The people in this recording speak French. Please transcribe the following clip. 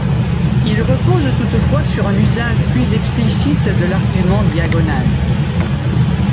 Il repose toutefois sur un usage plus explicite de l'argument diagonal.